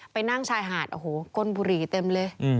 ไปนั่งชายหาดโอ้โหก้นบุหรี่เต็มเลย